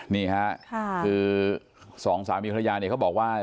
นี่ค่ะคือสองสามีภรรยาเนี่ยเขาบอกว่า